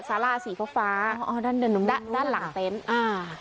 สาราสีฟ้าอ๋อด้านหลังเข้าด้านหลังเต็นต์อ่า